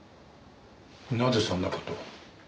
なぜそんな事を？